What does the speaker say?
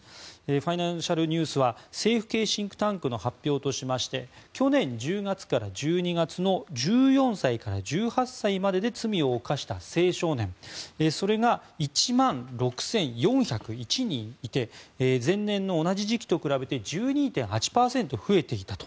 ファイナンシャルニュースは政府系シンクタンクの発表として去年１０月から１２月の１４歳から１８歳までで罪を犯した青少年それが１万６４０１人いて前年の同じ時期と比べて１２．８％増えていたと。